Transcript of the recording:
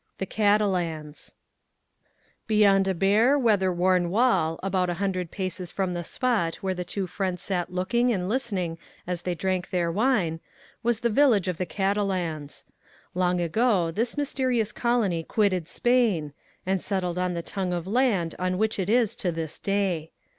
The Catalans Beyond a bare, weather worn wall, about a hundred paces from the spot where the two friends sat looking and listening as they drank their wine, was the village of the Catalans. Long ago this mysterious colony quitted Spain, and settled on the tongue of land on which it is to this day.